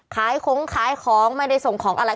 ขายของขายของไม่ได้ส่งของอะไร